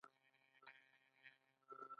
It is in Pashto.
ایا اشتها مو بدله شوې ده؟